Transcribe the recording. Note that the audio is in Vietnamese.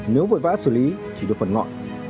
nếu vội vã xử lý chỉ được phần ngọn